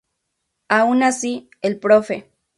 Aun así, el Prof.